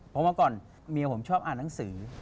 พอมาก่อนเมียผมชอบอ่านหนังสือ